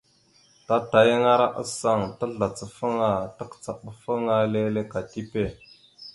Tatayaŋara asaŋ tazlacafaŋa takəcaɗafaŋa leele ka tipe.